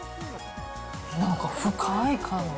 なんか深い感動。